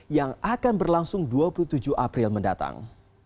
yang akan berlangsung dua puluh tujuh april mendatang